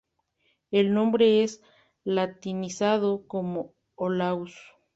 El nombre es latinizado como "Olaus".